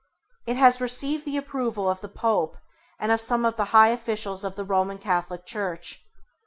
It has received the approval of the Pope and of some of the high officials of the Roman Catholic Church.